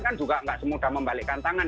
kan juga nggak semudah membalikkan tangan